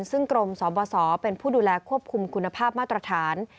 ซึ่งกรมสบสเป็นผู้ดูแลควบคุมคุณภาพมาตรฐาน